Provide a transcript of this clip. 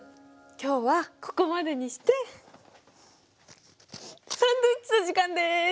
今日はここまでにしてサンドイッチの時間です！